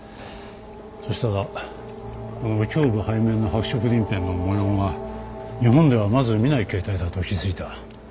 そしたらこの胸部背面の白色鱗片の模様が日本ではまず見ない形態だと気付いた。